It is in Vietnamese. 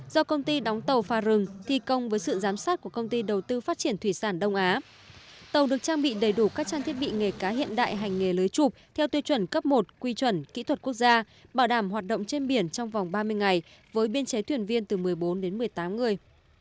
do công ty đóng tàu pha rừng thi công với sự giám sát của công ty đầu tư phát triển thủy sản đông á tàu được trang bị đầy đủ các trang thiết bị nghề cá hiện đại hành nghề lưới chụp theo tiêu chuẩn cấp một quy chuẩn kỹ thuật quốc gia bảo đảm hoạt động trên biển trong vòng ba mươi ngày với biên chế thuyền viên từ một mươi bốn đến một mươi tám người